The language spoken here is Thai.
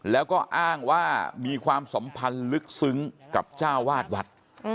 แล้วก็อ้างว่ามีความสัมพันธ์ลึกซึ้งกับเจ้าวาดวัด